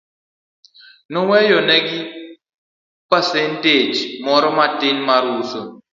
Noweyo ne gi pasenteg moro matin mar uso.